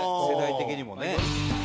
世代的にもね。